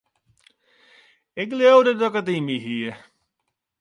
Ik leaude dat ik it yn my hie.